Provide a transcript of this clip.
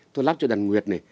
tôi lắp cho đàn nguyệt này